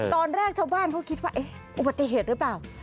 ตอนแรกชาวบ้านเขาคิดว่าอุบัติเหตุหรือเปล่า